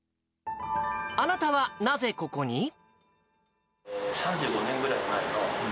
あなたはなぜここに？